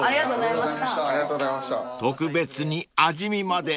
ありがとうございます。